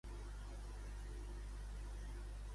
Quan van començar a fer retallades de la ciutat comtal?